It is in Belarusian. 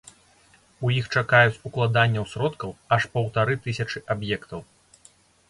У іх чакаюць укладанняў сродкаў аж паўтары тысячы аб'ектаў.